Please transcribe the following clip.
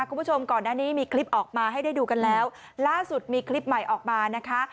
คุณผู้ชมก่อนหน้านี้มีคลิปออกมาให้ได้ดูกันแล้วล่าสุดมีคลิปใหม่ออกมานะคะ